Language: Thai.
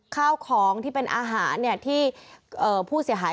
ข้าวของที่เป็นอาหารที่ผู้เสียหาย